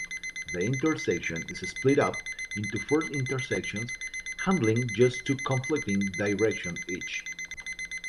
The intersection is split up into four intersections, handling just two conflicting directions each.